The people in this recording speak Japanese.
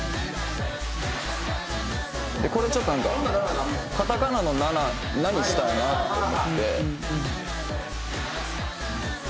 「これちょっとなんかカタカナの“ナナ”“ナ”にしたいなと思って」